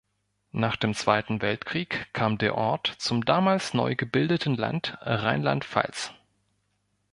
Nach dem Zweiten Weltkrieg kam der Ort zum damals neu gebildeten Land Rheinland-Pfalz.